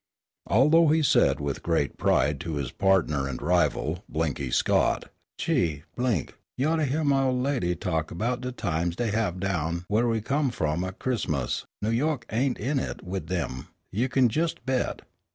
Although he said with great pride to his partner and rival, Blinky Scott, "Chee, Blink, you ought to hear my ol' lady talk about de times dey have down w'ere we come from at Christmas; N'Yoick ain't in it wid dem, you kin jist bet."